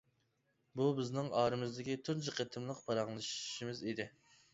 بۇ بىزنىڭ ئارىمىزدىكى تۇنجى قېتىملىق پاراڭلىشىشىمىز ئىدى.